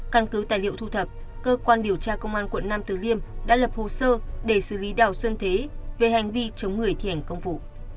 căn cứ tài liệu thu thập cơ quan điều tra công an quận nam từ liêm đã lập hồ sơ để xử lý đào xuân thế về hành vi chống người thi hành công vụ